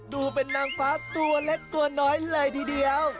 ดูเป็นนางฟ้าตัวเล็กตัวน้อยเลยทีเดียว